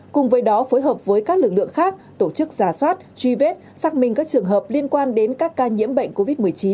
cùng với đó phối hợp với các lực lượng khác tổ chức giả soát truy vết xác minh các trường hợp liên quan đến các ca nhiễm bệnh covid một mươi chín